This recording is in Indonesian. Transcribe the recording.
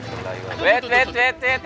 tuh tuh tuh tuh